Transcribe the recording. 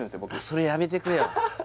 僕それやめてくれよ